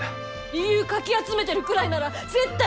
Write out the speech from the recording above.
理由かき集めてるくらいなら絶対後悔する！